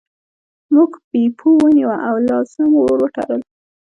موږ بیپو ونیوه او لاسونه مو ور وتړل.